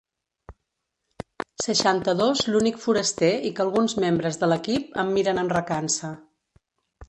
Seixanta-dos l'únic foraster i que alguns membres de l'equip em miren amb recança.